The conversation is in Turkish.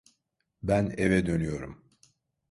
Ben eve dönüyorum.